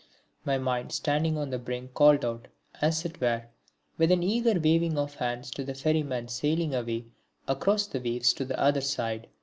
My mind standing on the brink called out, as it were, with an eager waving of hands to the ferryman sailing away across the waves to the other side.